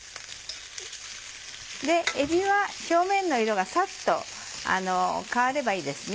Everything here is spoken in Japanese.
えびは表面の色がサッと変わればいいですね。